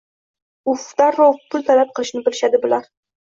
Uf, darrov pul talab qilishni bilishadi, bular